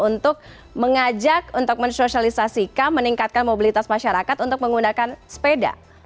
untuk mengajak untuk mensosialisasikan meningkatkan mobilitas masyarakat untuk menggunakan sepeda